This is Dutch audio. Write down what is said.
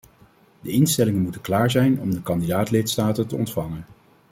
De instellingen moeten klaar zijn om de kandidaat-lidstaten te ontvangen.